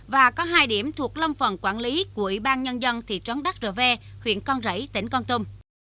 và có hai điểm thuộc lâm phần quản lý của ủy ban nhân dân thị trấn đắk rồ vê huyện con rẫy tỉnh con tum